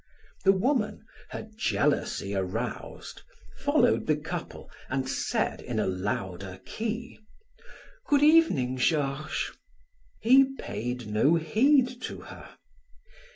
The woman, her jealousy aroused, followed the couple and said in a louder key: "Good evening, Georges." He paid no heed to her.